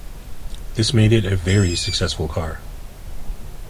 This made it a very successful car.